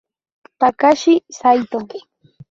Takashi Saito